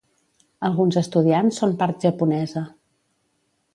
Alguns estudiants són part japonesa.